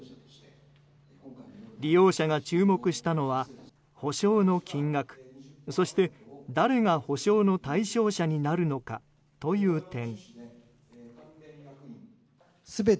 利用者が注目したのは補償の金額そして、誰が補償の対象者になるのかという点。